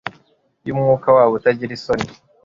yumwuka wabo utagira isoni